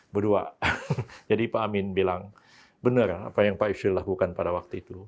berdua jadi pak amin bilang benar apa yang pak yusril lakukan pada waktu itu